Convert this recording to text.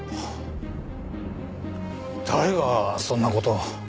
誰がそんな事を。